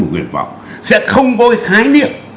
một nguyện vọng sẽ không có cái thái niệm